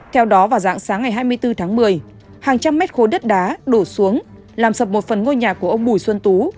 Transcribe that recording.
theo đó vào dạng sáng ngày hai mươi bốn tháng một mươi hàng trăm mét khối đất đá đổ xuống làm sập một phần ngôi nhà của ông bùi xuân tú